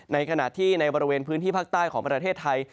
ในขณะที่ในบริเวณพื้นที่ภาคใต้ของประเทศไทย